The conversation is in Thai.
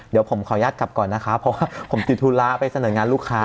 เดี๋ยวผมขออนุญาตกลับก่อนนะคะเพราะว่าผมติดธุระไปเสนองานลูกค้า